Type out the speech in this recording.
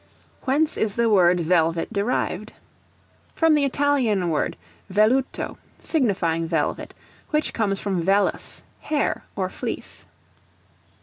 Whence is the word Velvet derived? From the Italian word velluto, signifying velvet, which comes from vellus, hair or fleece.